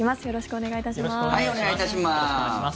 よろしくお願いします。